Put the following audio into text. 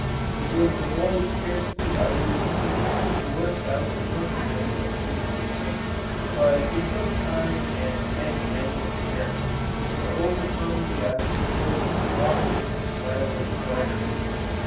It was the boy scarcely out of his teens who worked out the principles of his system, but it took time and many, many experiments to overcome the obstacles of long distance wireless telegraphy.